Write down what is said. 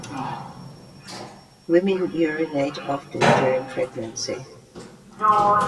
Women urinate often during pregnancy.